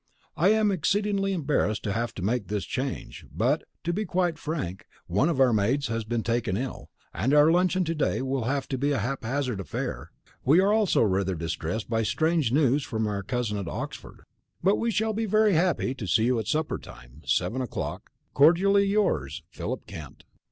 I am exceedingly embarrassed to have to make this change, but (to be quite frank) one of our maids has been taken ill, and our luncheon to day will have to be a haphazard affair. We are also rather distressed by strange news from our cousin at Oxford. But we shall be very happy to see you at supper time, seven o'clock. Cordially yours, PHILIP KENT.